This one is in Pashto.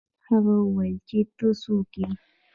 هغه وویل چې ته څوک یې.